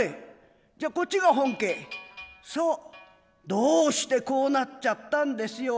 「どうしてこう成っちゃったんですよ」。